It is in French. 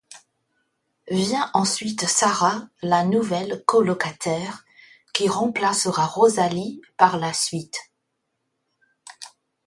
Vient ensuite Sarah, la nouvelle colocataire qui remplacera Rosalie par la suite…